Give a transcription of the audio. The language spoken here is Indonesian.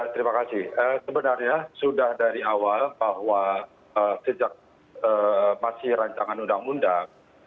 terima kasih sebenarnya sudah dari awal bahwa sejak masih rancangan undang undang